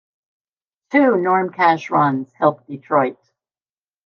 Two Norm Cash home runs helped Detroit.